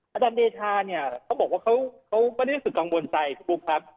อาจารย์เดชาเนี่ยเขาบอกว่าเขาไม่ได้รู้สึกกังวลใจพี่บุ๊คครับ